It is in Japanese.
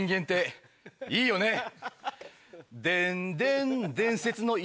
軽いよね！